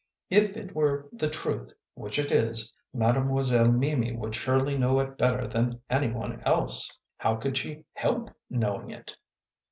If it were the truth, which it is, Made moiselle Mimi would surely know it better than any one else! How could she help knowing it?